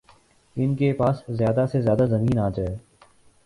ان کے پاس زیادہ سے زیادہ زمین آجائے